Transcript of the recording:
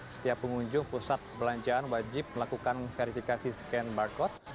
setiap pengunjung pusat perbelanjaan wajib melakukan verifikasi scan barcode